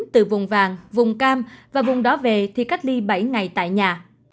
từ vùng vàng vùng cam và vùng đó về thì cách ly bảy ngày tại nhà